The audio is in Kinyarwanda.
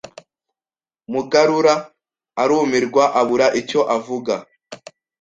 Mugarura arumirwa abura icyo avuga